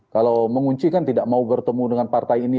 kalau mengunci kan tidak mau bertemu dengan partai ini